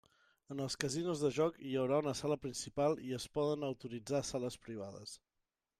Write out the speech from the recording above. En els casinos de joc hi haurà una sala principal i es poden autoritzar sales privades.